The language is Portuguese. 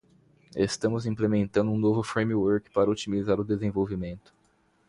Estamos implementando um novo framework para otimizar o desenvolvimento.